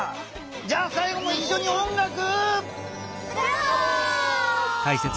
じゃあさいごもいっしょに「おんがく」。